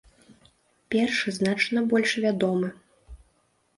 Першы значна больш вядомы.